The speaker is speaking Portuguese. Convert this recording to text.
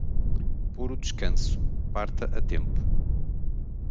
Puro descanso, parta a tempo!